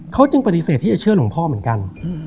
เขาจึงปฏิเสธที่จะเชื่อหลวงพ่อเหมือนกัน